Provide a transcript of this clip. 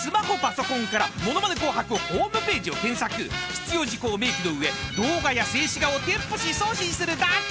［必要事項を明記の上動画や静止画を添付し送信するだけ］